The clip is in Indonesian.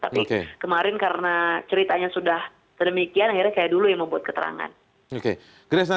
tapi kemarin karena ceritanya sudah sedemikian akhirnya saya dulu yang membuat keterangan